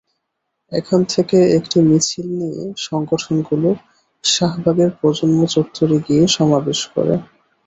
এখান থেকে একটি মিছিল নিয়ে সংগঠনগুলো শাহবাগের প্রজন্ম চত্বরে গিয়ে সমাবেশ করে।